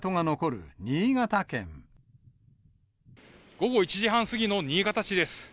午後１時半過ぎの新潟市です。